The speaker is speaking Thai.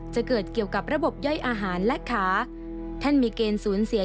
จะเกิดเกี่ยวกับระบบย่อยอาหารและขาท่านมีเกณฑ์สูญเสีย